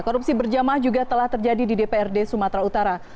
korupsi berjamaah juga telah terjadi di dprd sumatera utara